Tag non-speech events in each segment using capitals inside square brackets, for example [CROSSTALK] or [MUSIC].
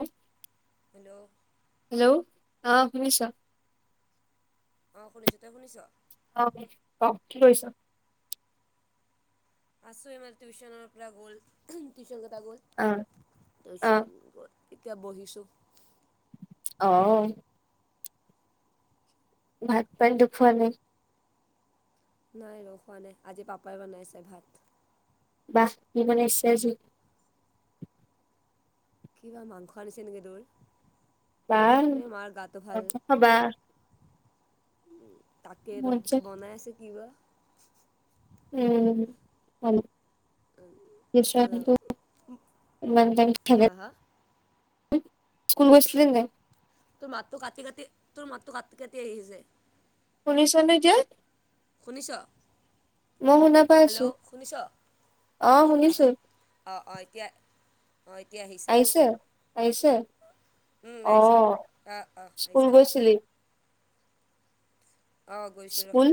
অ [INAUDIBLE] hello. Hello, অ' শুনিছ। অ' শুনিছ তই শুনিছ। [UNINTELLIGIBLE] আছো [UNINTELLIGIBLE] টিউশ্যনৰ পৰা গ'ল টিউশ্যন কেটা গ'ল, অ অ টিউশ্যন গ'ল। এতিয়া বহিছোঁ। অ'। ভাত পানীতো খোৱা নাই। নাই ৰ খোৱা নাই আজি পাপাই বনাইছে ভাত। [UNINTELLIGIBLE] কিবা মাংস আনিছে নেকি তোৰ, বাহ এই মাৰ গাটো ভাল মাংস খাবা উম, তাকেতো মন যায় বনাই আছে কিবা। উম, [UNINTELLIGIBLE] হা হা [UNINTELLIGIBLE] স্কুল গৈছিলি নে নাই। তোৰ মাতটো কাটি কাটি, তোৰ মাতটো কাটি কাটি আহিছে। শুনিছা নে এতিয়া। শুনিছ। মই শুনা পাই আছোঁ, হেল্ল' শুনিছ অ' শুনিছো। অ', অ', এতিয়া অ' এতিয়া আহিছ আহিছে, আহিছে, উম আহিছে অ' অঁ অঁ স্কুল আহিছে গৈছিলি। অঁ গৈছোঁ ৰ স্কুল,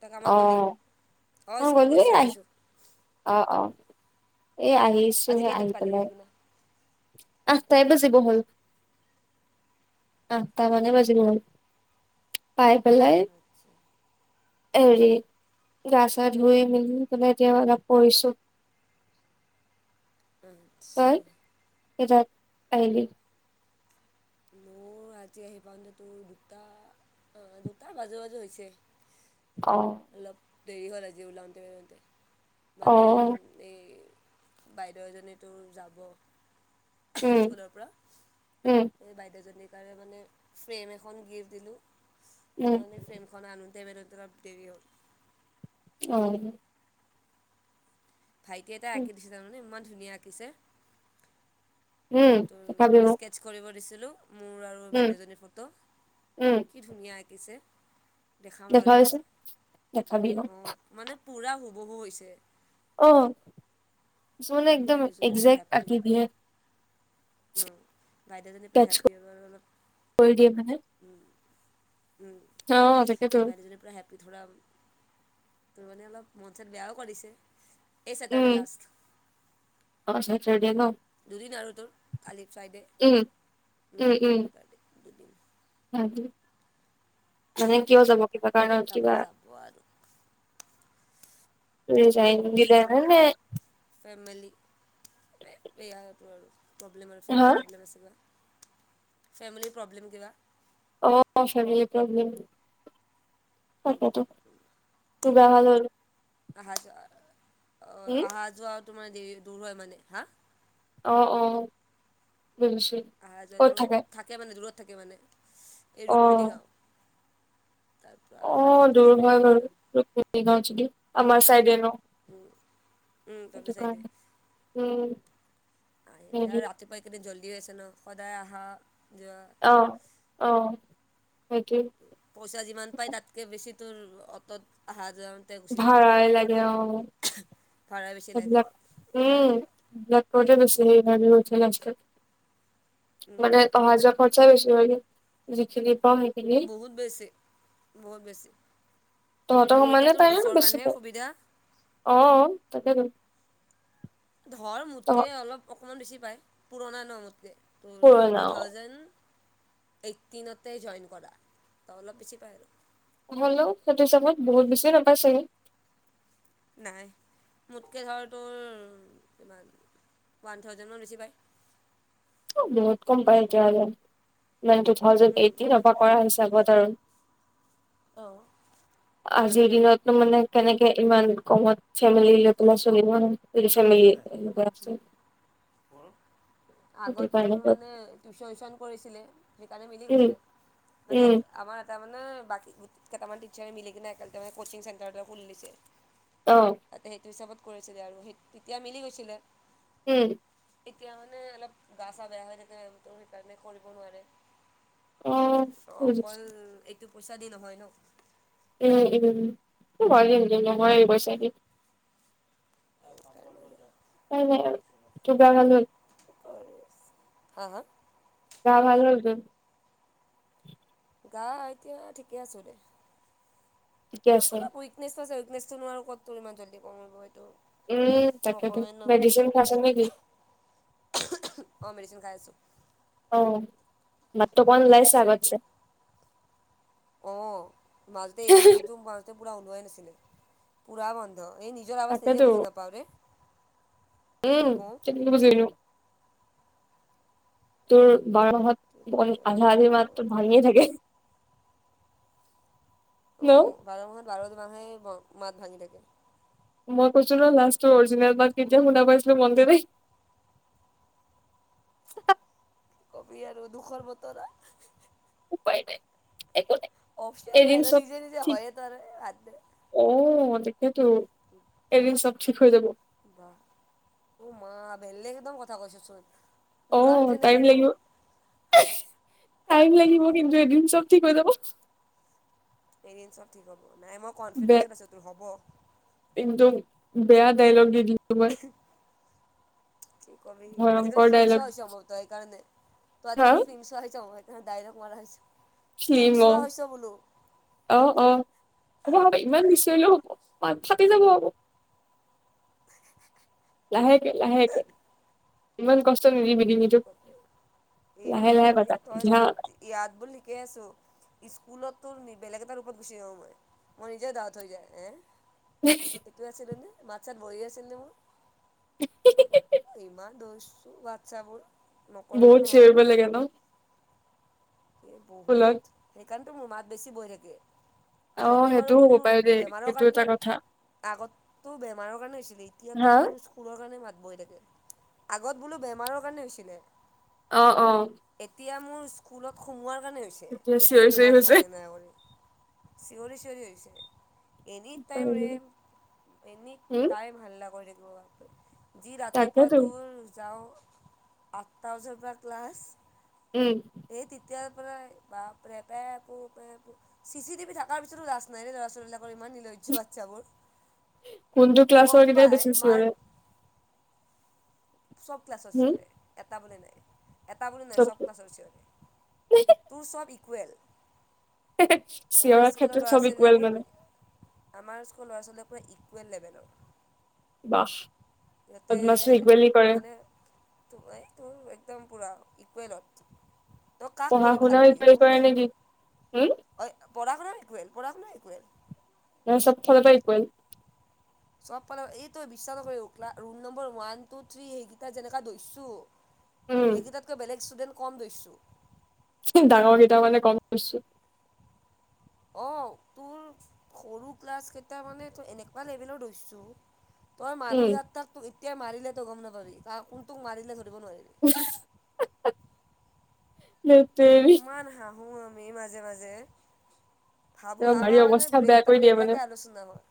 তই কামত গ'লি অ', অঁ অ', স্কুল গ'লোয়েই গৈছোঁ গৈছোঁ আ অ', অ', এ আজি আহিছোহে কেইটাত আহি পালি পেলাই। কিনে? আঠটাই বাজিব হ'ল, আঠটা মানে বাজিব হ'ল। পাই পেলাই। আচ্ছা হেৰি, গা চা ধুই মেলি পেলাই তেওঁ অলপ পৰিছোঁ। উম। [UNINTELLIGIBLE] আহিলি। মোৰ ৰাতি আহি পাওঁতে তোৰ দুটা অ' দুটা বাজু বাজু হৈছে। অ'। অলপ দেৰি হ'ল আজি ওলাওঁতে ওলাওঁতে অ মানে এই বাইদেউ এজনীতো যাব, উম স্কুলৰ পৰা। উম। এই বাইদেউজনীৰ কাৰণে মানে ফ্ৰেম এখন গিফ্ট উম দিলোঁ ফ্ৰেমখন আনোঁতে মেলোতে অলপ দেৰি হ'ল। অঁ ভাইটি এটাই আঁকি দিছে জাননে? ইমান ধুনীয়া আঁকিছে। উম তোৰ দেখাবি মানে মোক স্কেটছ কৰিব দিছিলো, মোৰ আৰু উম বাইদেউজনীৰ ফটো। উম ধুনীয়া আঁকিছে, দেখাম ৰ তোক দেখাবিচোন মই, দেখাবি মোক অঁ। মানে পূৰা হুবহু হৈছে। অ, কিছুমানে একদম বাইদেউজনী পুৰা একজেক্ট হেপী আকি অ' দিয়ে। [UNINTELLIGIBLE] বাইদেউজনী পুৰা কেটচ হেপ্পী হ'ব আৰু অলপ। কৰি দিয়ে মানে উম, উম। অ তাকেতো বাইদেউজনী পুৰা হেপ্প ধৰা তোৰ মানে অলপ মন চন বেয়াও কৰিছে। এই উম চেটাৰডে লাষ্ট। অ চেটাৰডে ন দুদিন আৰু আ লেফ চাইডে, উম উম। [UNINTELLIGIBLE] দুদিন [UNINTELLIGIBLE] মানে কিয় যাব কিবা কাৰণ তাৰপৰা কিবা যাব আৰু এই তোৰ [UNINTELLIGIBLE] ফেমিলি, বেয়া তোৰ। প্ৰব্লেম আৰু হা ফেমেলি প্ৰব্লেম আছে বা ফেমিলি প্ৰব্লেম কিবা? অ, ফেমিলি প্ৰব্লেম। তাকেতো। তোৰ গা ভাল হ'ল? আহা যোৱা অ উম অহা যোৱাও তোমাৰ দেৰি দূৰ হয় মানে। হা? অ অ, বুজিছো। আহা যোৱাটো থাকে মানে দূৰত থাকে মানে, এই অ ৰুক্মিণী গাঁও। তাৰপৰা অ অহা যোৱাটো দূৰ অসুবিধা হয় হৈ যায় বাৰু ন ৰু--ণী গাঁও যদি। আমাৰ চাইডে ন? উম, উম, সেইটো তহঁতৰ চাইডে। কাৰণে উম। আহি মেলি হেৰি আৰু ৰাতিপুৱা এইকেইদিন জল্দি হৈছে ন। সদায় আহা যোৱা। অঁ অঁ, সেইটোৱেই। পইছা যিমান পায় তাতকৈ বেছি তোৰ অট'ত আহা যোৱা ভাৰাই লাগে অ। [INAUDIBLE] বেছি লাগে সেবিলাক সেইকাৰণে উম [UNINTELLIGIBLE] কৰোঁতে গৈছে। [UNINTELLIGIBLE] লাষ্টত, মানে অহা যোৱা খৰচা বেছি হয়গে? যিখিনি পাওঁ সেইখিনি। বহুত বেছি বহুত বেছি। তহঁতৰ মোৰ এতিয়া সমানে তোৰ পায় নে ওচৰৰ বেছি কাৰণেহে পায় সুবিধা। অ, তাকেতো। ধৰ তহ মোতকৈ অলপ অকমান বেছি পায়। পুৰণা ন মোতকে। তোৰ পুৰণা টু অ থাউজেণ্ড এইটিনতে জইন কৰা। ত' অলপ বেছি পায় আৰু। হ'লেও সেইটো হিচাপত বহুত বেছি নাপায় চাগে? নাই মোতকৈ ধৰ তোৰ কিমান, ওৱান থাউজেণ্ড মান বেছি পায়। অ, বহুত কম পায় তেতিয়া হ'লে। [UNINTELLIGIBLE] টু থাউজেণ্ড উম এইটিনৰ পৰা কৰা হিচাপত আৰু। অঁ আজিৰ দিনতনো মানে কেনেকে ইমান কমত ফেমিলি লৈ পেলাই চলিব। [UNINTELLIGIBLE] [UNINTELLIGIBLE] সেইটো আগত তোৰ কাৰণে মানে টিউচন চিউচন কৰিছিলে। সেইকাৰণে মিলি উম গৈছিলে। মানে উম [UNINTELLIGIBLE] আমাৰ এটা মানে বাকী কেইটামান টিচাৰে মিলি কেনে একেলগে কচিং চেণ্টাৰ এটা খুলি দিছে। অঁ তাতে সেইটো হিচাপত কৰিছিলে আৰু সেই তেতিয়া মিলি গৈছিলে উম', এতিয়া মানে অলপ গা চা বেয়া হৈ থাকে। সেইকাৰণে কৰিব নোৱাৰে। অ অ', অকল বুজিছো এইটো পইচা দি নহয় ন উম উম উম [UNINTELLIGIBLE] এই পইছা দি [UNINTELLIGIBLE] তাই নাই আৰু কিবা কৰি খালি [UNINTELLIGIBLE] হা হা গা ভাল হৈ গল গা এতিয়া ঠিকে আছো দে ঠিকে আছে অলপ উইকনেছটো আছে। উইকনেছটো নো ক'ত তোৰ ইমান জল্দি কমিব এইটো উম তাকেতো নকমে ন মেডিচিন খাইছ নেকি অ', মেডিচিন খাই আছো। অ', মাতটো অকণ মেডিচিনটো অ মাজতে এইকেইদিনতো মই টো পুৰা ওলোৱাই নাছিলে পুৰা বন্ধ এই নিজৰ আৱাজ নিজে তাকেতো বুজি নাপাওঁৰে উম [UNINTELLIGIBLE] তোৰ বাৰ কি মাহত কবি আৰু আধা আধি মাতটো ভাঙিয়ে থাকে ন অ', বাৰ মাহত বাৰ দুমাহে মাত ভাঙি থাকে। মই কৈছো ন লাষ্ট অৰিজিনেল মাত কেতিয়া শুনা পাইছিলো মনতে নাই কবি আৰু দুখৰ বতৰা উপায় নাই একো নাই। অপচন নাই এদিন চব নিজে নিজে ঠিক হয় ত আৰ হাত দে অ', তেকেতো এদিন চব ঠিক হৈ যাব। বা অ মা বেলেগ একদম কথা কৈছচোন। অ', টাইম লাগিব টাইম লাগিব, কিন্তু এদিন চব ঠিক হৈ যাব। এদিন চব ঠিক হ'ব নাই মই কনফিডেঞ্চত আছো তোৰ হ'ব কিন্তু বেয়া ডাইলগ দি দিলো তোমাৰ কি ক'বি আজিকালি ফিল্মছ হৈছ সম্ভৱত সেইকাৰণে ত হা আজিকালি ফিল্মছ হৈছ ডাইলগ মৰা হৈছে ফিল্ম চোৱা হৈছে বোলো। অ', অ, হ'ব হ'ব ইমান নিচিঞৰিলেও হ'ব মাত ফাটি যাব আক লাহেকে লাহেকে ইমান কষ্ট নিদিবি কি দিঙিটো কবি এ এ তই ধ্যান [UNINTELLIGIBLE] ইয়াত বোল ঠিকেই আছোঁ স্কুলততো বেলেগ এটা ৰূপত গুচি যাওঁ মই মোৰ নিজে দাত হৈ যায় এ [UNINTELLIGIBLE] সেটো আছিলো নে মাত চাত বহি আছিল নে মোৰ এ ইমান দোচ ৱাটছাবোৰ বহুত চিঅৰিব লাগে ন এই স্কুলত বহুত সেইকাৰণেতো মোৰ মাত বেছি বৈ থাকে। অ আগততো বাৰু সেইটোও মোৰ হ'ব তোৰ পাৰে দেই বেমাৰৰ সেইটো এটা কাৰণে কথা আগততো বেমাৰৰ কাৰণে হৈছিলে। এতিয়াতো হা তোৰ স্কু পুৰৰ কাৰণে মাত বহি থাকে, আগত বোলো বেমাৰৰ কাৰণে হৈছিলে। অ', অ',। এতিয়া মোৰ স্কুলত সোমোৱাৰ কাৰণে হৈছে এতিয়া চিঞৰি চিঞৰি মাত হৈছে ভাঙে না কৰি চিঞৰি চিঞৰি হৈছে। এনি টাইম ৰেম এনি উম টাইম হাল্লা কৰি থাকিব, যি ৰাতিপুৱা তাকেতো তোৰ যাওঁ। আঠটা বজাৰ পৰা ক্লাছ উম। এই তেতিয়াৰ পৰাই বাপৰে এটাই পো পে পো চি চি টিভি থকাৰ পিছতো লাজ নাই দেই ল'ৰা ছোৱালীবিলাকৰ ইমান নিলজ্য বাচ্ছাবোৰ কোনটো ক্লাছৰ গম কেইটাই পাই বেছি চিঞৰে মাৰ চব ক্লাছৰ হম চিঞৰে, এটা বুলি নাই এটা বুলি নাই চব ক্লাছৰ চিঞৰে তোৰ চব ইকুৱেল, আমাৰ চিঞৰাৰ স্কুলৰ ক্ষেত্ৰত ল'ৰা চব ছোৱালীবিলাক ইকুৱেল মানে বহুত আমাৰ স্কুলৰ ল'ৰা ছোৱালীবোৰ ইকুৱেল লেভেলৰ। বাহ, বদমাচি ইকুৱেলি কৰে। টো এ তোৰ একদম পুৰা ইকুৱেলত। তই কাক পঢ়া কবি ভাল শুনাও বুলি ইকুৱেল কোনো কৰে নাই। নেকি উম অ পঢ়া শুনা ইকুৱেল পঢ়া শুনা ইকুৱেল। মানে চব ফালৰ পৰা ইকুৱেল। চব পালে এই তই বিশ্বাস নকৰিবি অকল্লা room number one two three সেইকেইটা যেনেকা ধৰিছোঁ। উম সেইকেইটাকৈ বেলেগ ষ্টুডেণ্ট কম ধৰিছোঁ। ডাঙৰ কেইটা মানে কম ধৰিছোঁ অঁ, তোৰ সৰু ক্লাছকেইটা মানে তই এনেকুৱা লেভেলৰ ধৰিছোঁ। তই উম মানুহ ইয়াত তাক তোক এতিয়াই মাৰিলে তই গম নাপাবি, কা কোন তোক মাৰিলে ধৰিব নোৱাৰি। উফ ইমান হাঁহো আমি মাজে মাজে। ভাবো মাৰি আমাৰ মানে অৱস্থা বেয়া ব্ৰেক কৰি টাইমত দিয়ে মানে এইবিলাকে আলোচনা হয়,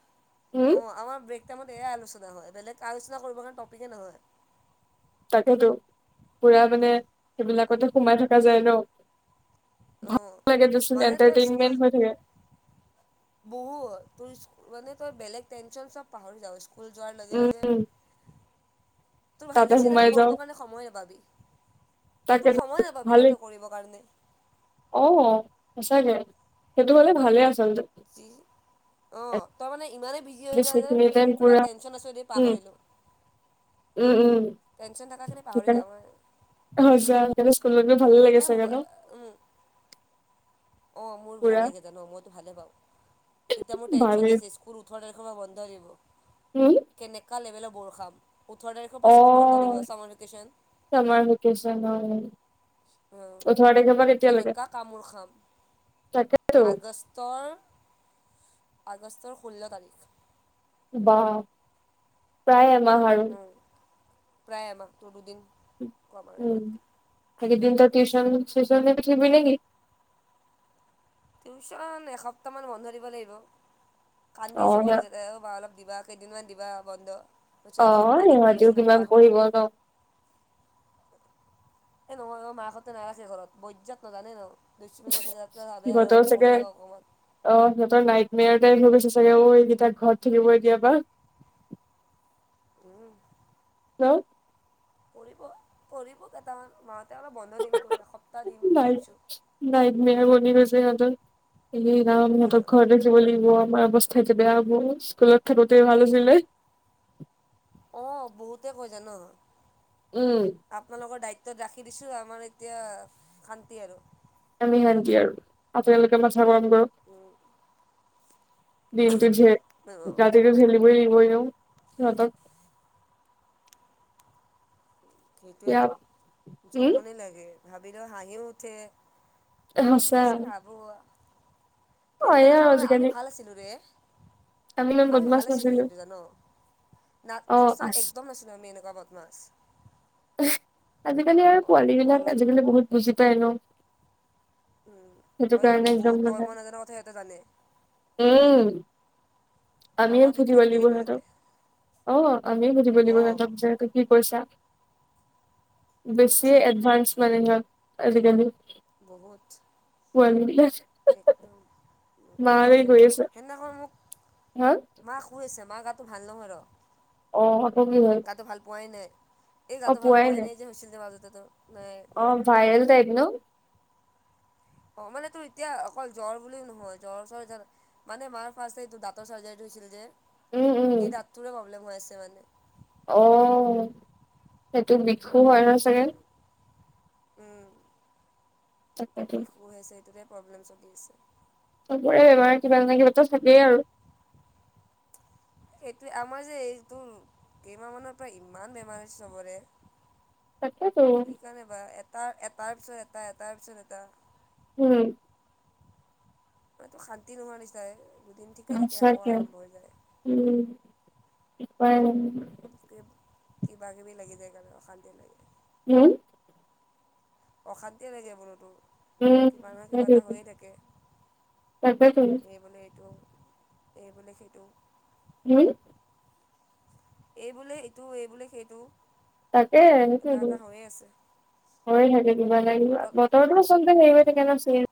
উম অ আমাৰ ব্ৰেক টাইমত এয়াই আলোচনা হয়, বেলেগ আলোচনা কৰিবৰ কাৰণে টপিকেই নহয়। তাকেতো পুৰা মানে সেইবিলাকতে সোমাই থকা যায় ন। অঁ ভালো লাগে দিয়াচোন, মানে তই স্কুল এটাৰটেইনমেণ্ট হৈ থাকে। বহুত তোৰ মানে তই বেলেগ টেনশন চব পাহাৰি যাওঁ। স্কুল যোৱাৰ লগে লগে উম তোৰ তাতে হাইলাইট সোমাই চাইলাইত যাওঁ কৰিব কাৰণে সময় নাপাবি, তাকে তোৰ সময় নাপাবি ন ভালেই তই কৰিবৰ কাৰণে। অ সঁচাকে, সেইটো হলে ভালে আচলতে। অঁ তই মানে ইমানেই বিজি হৈ এটলিষ্ট যায় যে, সেইখিনি এই টাইম কিবা পুৰা টেনশ্যন আছে যদি উম পাহৰিলোঁ। উম উম। টেনশ্যন থকাখিনি পাহৰি যাওঁ মই। এ সঁচা স্কুলত গৈ ভালে লাগে এই চাগে ন। মোবাই উম। অ মোৰ পুৰা ভাল লাগে জানো মইতো ভালে পাওঁ, এতিয়া মোৰ টেনশ্যন ভালেই আছে স্কুল ওঠৰ তাৰিখৰ পা বন্ধ দিবা। উম। কেনেকুৱা লেভেলৰ বৰ খাম। ওঠৰ তাৰিখৰ পৰা অ স্কুল বন্ধ দিব, ছামাৰ ভেকেশচন। চামাৰ ভেকেচন অ অ ওঠৰ তাৰিখৰ কেনেকা কামোৰ খাম। তাকে। আগষ্টৰ, আগষ্টৰ ষোল্ল তাৰিখ। বাহ। প্ৰায় এমাহ আৰু। উম প্ৰায় এমাহ, তোৰ দুদিন। কম আৰু উম, এমাহতকে সেইকেইদিন তই টিউচন চিউচন [UNINTELLIGIBLE] নেকি? টিউচন এসপ্তাহমান বন্ধ দিব লাগিব। কান্দি অ আছে সিহ পোৱালিকিতাই অ' বা অলপ দিবা, কেইদিনমান দিবা বন্ধ। [UNINTELLIGIBLE] এসপ্তাহ, তাতকৈ বেছি নাপাৱ। দিব ন? এ নহয় অ', মাকহঁতে নাৰাখে ঘৰত, বৈদজাত ন', জানে ন'! দুষ্টামি কৰি থাকে, তাতকে আৰু ভাৱে সিহঁতৰ আৰু চাগে পঢ়ি থাকক অকণমান। অ', সিহঁতৰ নাইট মেয়াৰ টাইপ হৈ গৈছে চাগে, অ', এইকেইটা ঘৰত থাকিব এতিয়া পা। উম [INAUDIBLE] হেলউ? কৰিব, কৰিব কেইটামান [UNINTELLIGIBLE] দিম তোৰ এসপ্তাহ দিম [UNINTELLIGIBLE] বুলি ভাবিছোঁ নাইট, নাইট মেয়াৰ বুলি কৈছে ইহঁতৰ। এইকেইদিন অ', সিহঁতক ঘৰতে [INAUDIBLE] লাগিব, আমাৰ অৱস্থা এতিয়া বেয়া হ'ব। স্কুলত থাকোতে ভাল আছিলে। অ', বহুতে কয় জান'? উম। আপোনালোকৰ দায়িত্বত ৰাখি দিছোঁ। আমাৰ এতিয়া, শান্তি আৰু। আমি শান্তি আৰু। আপোনালোকে মাথা গৰম কৰক। উম দিনটো ঝে, ৰাতিটো ঝেলিবই লাগিব এনেওঁ, ইহঁতক। বেয়া সেইটোৱেতো, উম জমনি লাগে। ভাবিলে হাঁহিও উঠে। সঁচা পিছ ভাবোঁ। কিন্তু হয়ে এনেকুৱা আৰু নহয়, আমি আজিকালি ভাল আছিলোঁ ৰে! ইমান আমি বদমাছ ভাল আছিলোঁ নাছিলো কিন্তু জান'? না, অ সঁচা আছ একদম নাছিলোঁ আমি এনেকুৱা বদমাছ। হে, আজিকালি আৰু পোৱালী বিলাক, অলপ আজিকালি বহুত বুজি পায় ন'? সেইটো এই কাৰণে বহুত একদম তই মানে। মই নাজানা কথা সিহঁতে জানে উম। আমিয়ে আমাক [UNINTELLIGIBLE] বিক্ৰী কৰি দিব সিহঁতে সিহঁতক। অ', আমিয়ে সুধিব লাগিব অঁ সিহঁতক, যে কি কৈছা? বেছিয়ে এডভানস মানে সিহঁত, আজিকালি। বহুত। [UNINTELLIGIBLE] একদম। মাহঁতে কি কৰি আছে? সিদিনাখন মোক হা? মা শুই আছে। মা গাটো ভাল নহয় ৰ'। অ', আকৌ কি হ'ল? গাটো ভাল পোৱাই নাই। এই গাটো ভাল পোৱাই নাই যে হৈছিল যে মাজতে তোৰ। নাই পোৱাই অ', নাই ভাইৰেল টাইপ ন'? অ', মানে তোৰ এতিয়া অকল জ্বৰ বুলিয়ে নহয়। জ্বৰ চৰ এ মানে মাৰ ফাচ সেইটো দাঁতৰ চাৰ্জাৰীটো হৈছিল যে, উম উম সেই দাঁতটোৰে প্ৰব্লেম হৈ আছে মানে। অ', সেইটো বিখু হয় ন' চাগে? উম। টো তাকেতো বিষু হৈ আছে। সেইটোতে প্ৰব্লেম চলি আছে। চবৰে বেমাৰ কিবা নহয় কিবাটো থাকেই আৰু। এইটোৱে আমাৰ যে এইটো কেইমাহমানৰ পৰা ইমান বেমাৰ হৈছে চবৰে। তাকেতো কি কাৰণে বা এটা-এটাৰ পিছত এটা, এটাৰ পিছত এটা। হম। কিবাটো শান্তি নোহোৱা নিচিনায়ে দুদিন ঠিকে থাকে আকৌ সঁচাকে আৰম্ভ হৈ যায়। উম, উপায় নাই। তাকে কিবা কিবি লাগি যায় কাৰণে অশান্তি লাগে। হম? অশান্তি লাগে বোলোতো। উম কিবা নহয় কিবা এটা সেইটোৱেটো হৈয়ে থাকে, তাকেটো এই বোলে এইটো। এই বোলে সেইটো। হম! এই বোলে এইটো, এই বোলে সেইটো। তাকেহে এটা সেইটোৱেইটো। এটা হৈয়ে আছে হয় থাকে কিবা নহয় কিবা। বতৰতো আচলতে হেৰি হৈ থাকে ত ন' চ